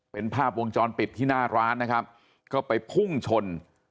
เป็นภาพวงจรปิดที่หน้าร้านนะครับก็ไปพุ่งชน